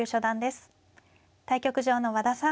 対局場の和田さん